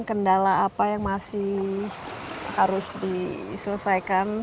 kendala apa yang masih harus diselesaikan